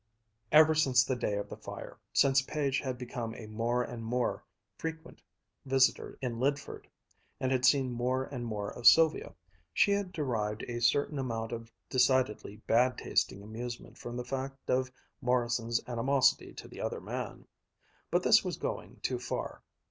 Ever since the day of the fire, since Page had become a more and more frequent visitor in Lydford and had seen more and more of Sylvia, she had derived a certain amount of decidedly bad tasting amusement from the fact of Morrison's animosity to the other man. But this was going too far.